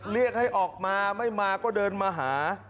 เรียกให้ออกมาไม่มาก็เดินมาหา